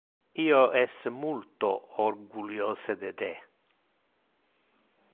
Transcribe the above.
Io es multo orguliose de te.